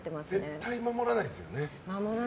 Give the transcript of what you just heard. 絶対守らないですよね。